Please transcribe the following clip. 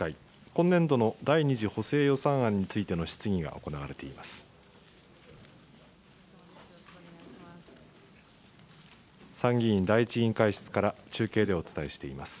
今年度の第２次補正予算案についての質疑が行われています。